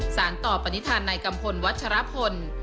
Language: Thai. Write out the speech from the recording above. สารต่อปณิธานนายกำพลวัชฌาพล